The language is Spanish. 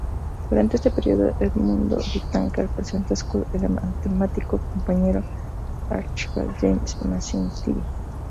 Durante este período, Edmund Whittaker presentó a Scott al matemático compañero Archibald James Macintyre.